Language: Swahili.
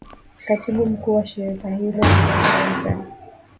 katibu mkuu wa shirika hilo bliz rempen